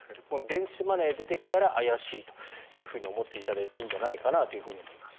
電子マネーが出てきたら怪しいと思っていただいていいんじゃないかなと思います。